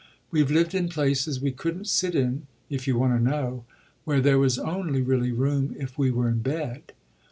We've lived in places we couldn't sit in, if you want to know where there was only really room if we were in bed.